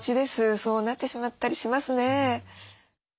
そうなってしまったりしますね。